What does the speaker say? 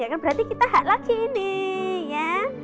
ya kan berarti kita halal gini ya